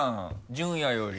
純也より。